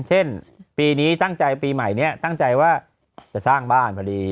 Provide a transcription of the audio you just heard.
เช่นปีนี้ตั้งใจปีใหม่นี้ตั้งใจว่าจะสร้างบ้านพอดี